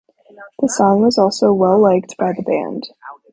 The song was also well-liked by the band.